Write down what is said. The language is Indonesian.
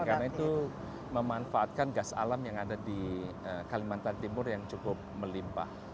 karena itu memanfaatkan gas alam yang ada di kalimantan timur yang cukup melimpah